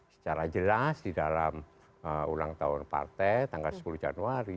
secara jelas di dalam ulang tahun partai tanggal sepuluh januari